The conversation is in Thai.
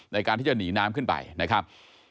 ในการที่จะหนีน้ำขึ้นไปนะครับ